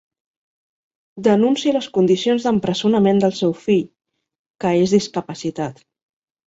Denuncia les condicions d'empresonament del seu fill, que és discapacitat.